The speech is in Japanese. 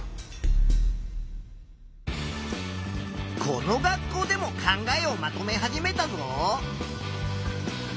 この学校でも考えをまとめ始めたぞ。